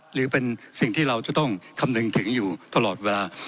หรือเป็นสิ่งที่เราจะต้องคำนึงถึงอยู่ตลอดเวลา